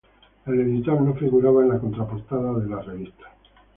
El editor no figuraba en la de la revista.